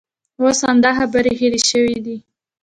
اوس همدا خبرې هېرې شوې دي.